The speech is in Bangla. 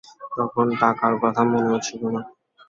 তখন টাকার কথা মনেও ছিল না।